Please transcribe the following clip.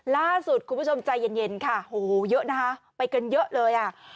ล่าสุดคุณผู้ชมใจเย็นค่ะโหเยอะนะคะไปกันเยอะเลยอ่ะ